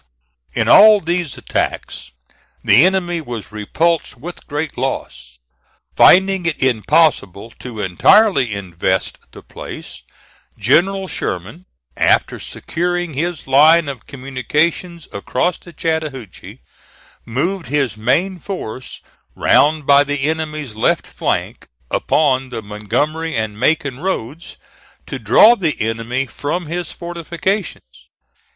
In all these attacks the enemy was repulsed with great loss. Finding it impossible to entirely invest the place, General Sherman, after securing his line of communications across the Chattahoochee, moved his main force round by the enemy's left flank upon the Montgomery and Macon roads, to draw the enemy from his fortifications.